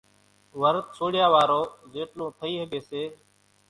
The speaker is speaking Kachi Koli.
ورت سوڙايا وارو زيٽلون ٿئي ۿڳي سي۔